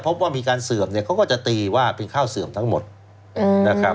พบว่ามีการเสื่อมเนี่ยเขาก็จะตีว่าเป็นข้าวเสื่อมทั้งหมดนะครับ